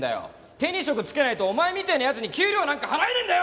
手に職つけないとお前みたいなヤツに給料なんか払えねえんだよ！